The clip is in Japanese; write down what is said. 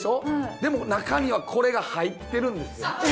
でも中にはこれが入ってるんですよえ！